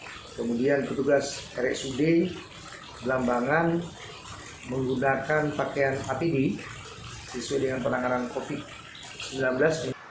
dua belas rsd di lambangan menggunakan pakaian apd sesuai dengan penanganan covid sembilan belas